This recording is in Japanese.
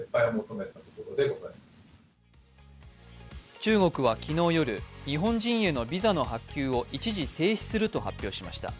中国は昨日夜、日本人へのビザの発給を一時停止すると発表しました。